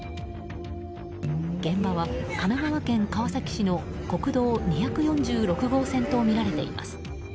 現場は神奈川県川崎市の国道２４６号線とみられています。